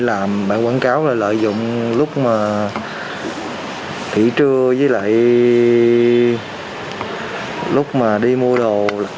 làm bản quảng cáo là lợi dụng lúc mà thủy trưa với lại lúc mà đi mua đồ